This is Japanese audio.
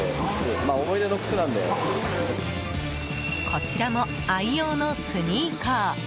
こちらも愛用のスニーカー。